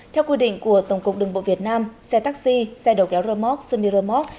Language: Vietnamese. theo quy định của tổng cục đường bộ việt nam xe taxi xe đầu kéo remote semi remote